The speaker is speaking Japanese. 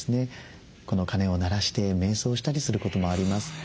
この鐘を鳴らしてめい想したりすることもあります。